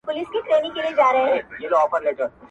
چي یې غټي بنګلې دي چي یې شنې ښکلي باغچي دي!.